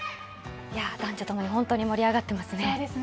男女ともに本当に盛り上がっていますね。